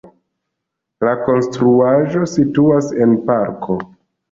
La konstruaĵo situas en parko.